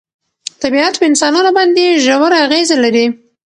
طبیعت په انسانانو باندې ژوره اغېزه لري.